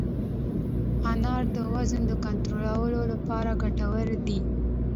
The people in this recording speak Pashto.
انار د وزن د کنټرول لپاره ګټور دی.